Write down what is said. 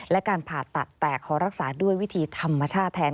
และการผ่าตัดแต่ขอรักษาด้วยวิธีธรรมชาติแทน